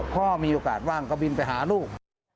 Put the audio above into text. พ่อมีโอกาสว่างก็บินไปหาลูก